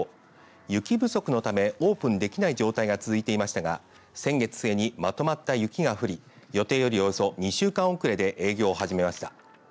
雪不足のためオープンできない状態が続いていましたが先月末に、まとまった雪が降り予定よりおよそ２週間遅れで営業を始めました。